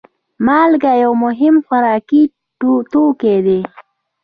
مالګه یو مهم خوراکي توکی دی.